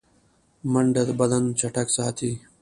منډه بدن چټک ساتي